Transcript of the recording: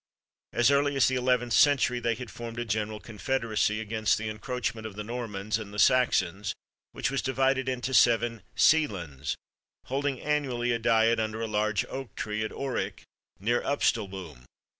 As early as the eleventh century they had formed a general confederacy against the encroachments of the Normans and the Saxons, which was divided into seven seelands, holding annually a diet under a large oak tree at Aurich, near the Upstalboom.